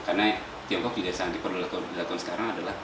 karena tiongkok juga saat dipeluk di lakon sekarang adalah